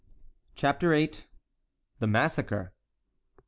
CHAPTER VIII. THE MASSACRE.